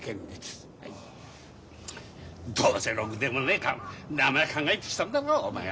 どうせろくでもねえ名前考えてきたんだろうお前は。